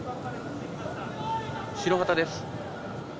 白旗です。